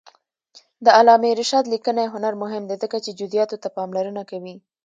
د علامه رشاد لیکنی هنر مهم دی ځکه چې جزئیاتو ته پاملرنه کوي.